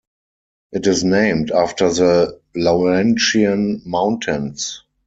It is named after the Laurentian Mountains.